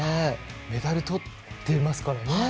メダルとってますからね。